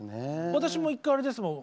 私も１回あれですもん